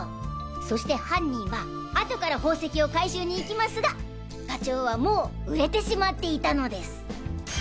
そして犯人はあとから宝石を回収に行きますがガチョウはもう売れてしまっていたのです。